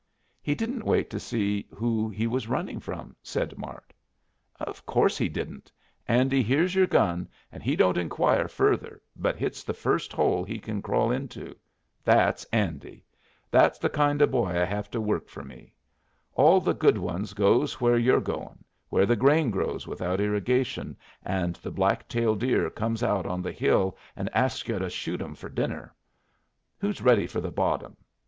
"He didn't wait to see who he was running from," said Mart. "Of course he didn't. Andy hears your gun and he don't inquire further, but hits the first hole he kin crawl into. That's Andy! That's the kind of boy I hev to work for me. All the good ones goes where you're goin', where the grain grows without irrigation and the blacktail deer comes out on the hill and asks yu' to shoot 'em for dinner. Who's ready for the bottom?